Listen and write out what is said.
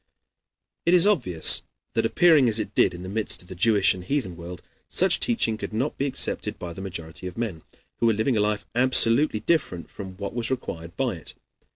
It is obvious that, appearing as it did in the midst of the Jewish and heathen world, such teaching could not be accepted by the majority of men, who were living a life absolutely different from what was required by it.